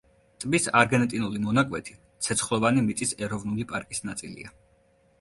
ტბის არგენტინული მონაკვეთი ცეცხლოვანი მიწის ეროვნული პარკის ნაწილია.